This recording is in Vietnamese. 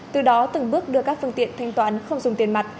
từ đó từng bước đưa các phương tiện thanh toán không dùng tiền mặt